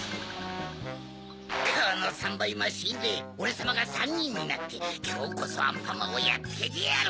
この３ばいマシンでおれさまが３にんになってきょうこそアンパンマンをやっつけてやる！